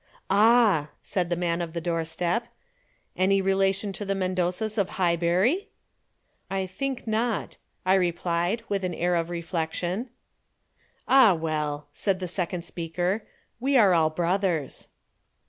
"Ah," said the man of the doorstep. "Any relation to the Mendozas of Highbury?" "I think not," I replied, with an air of reflection. "Ah well," said the second speaker, "we are all brothers."